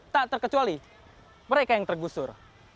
tak terkecuali mereka yang tergusur